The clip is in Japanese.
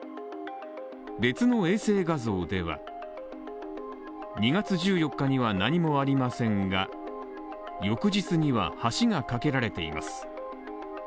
別の衛星画像では２月１４日には何もありませんが翌日には橋が架けられています。